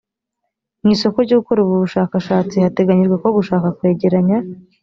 mu isoko ryo gukora ubu bushakashatsi hateganyijwe ko gushaka kwegeranya